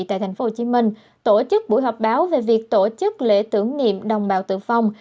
tại tp hcm tổ chức buổi họp báo về việc tổ chức lễ tưởng niệm đồng bào tử vong